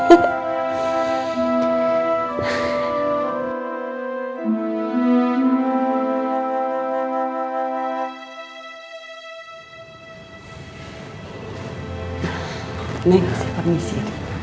ini kasih permisi